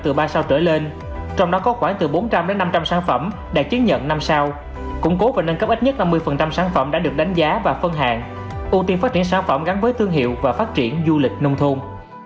ưu tiên phát triển sản phẩm gắn với thương hiệu và phát triển du lịch nông thôn